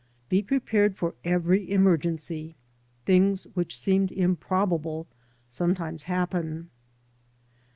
Be prepared for every emergency. Things which seemed improbable sometimes happen.